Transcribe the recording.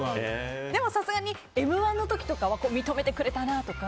でもさすがに「Ｍ‐１」の時とかは認めてくれたなとか。